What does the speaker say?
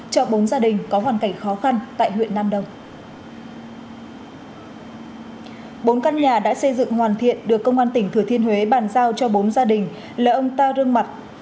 các cơ quan ngang bộ gồm